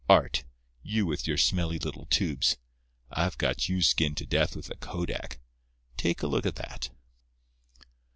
Art! You with your smelly little tubes! I've got you skinned to death with a kodak. Take a look at that."